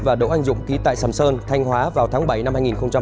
và đỗ anh dũng ký tại sầm sơn thanh hóa vào tháng bảy năm hai nghìn hai mươi